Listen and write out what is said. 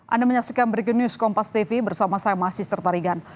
anda menyaksikan berikutnya news kompas tv bersama saya masis tertarigan